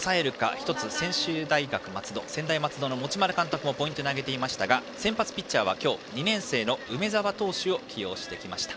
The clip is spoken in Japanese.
１つ専大松戸の持丸監督もポイントに挙げていましたが先発ピッチャーは今日、２年生の梅澤投手を起用してきました。